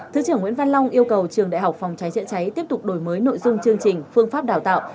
thứ trưởng nguyễn văn long yêu cầu trường đại học phòng cháy chữa cháy tiếp tục đổi mới nội dung chương trình phương pháp đào tạo